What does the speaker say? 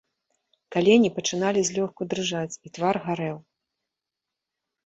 Калені пачыналі злёгку дрыжаць, і твар гарэў.